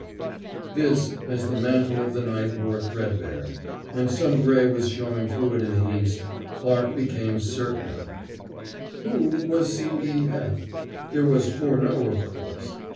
F. this, as the mantle of the night wore threadbare, and some gray was showing through it in the east, Clarke became certain of. Who was C. E. F.? There was Furneaux, of course.